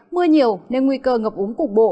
mưa nhiều nên nguy cơ ngập úng cục bộ